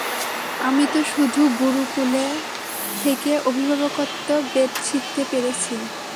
আমি তো শুধু গুরুকুলে থেকে অভিভাবকত্ব বেদ শিখতে পেরেছি।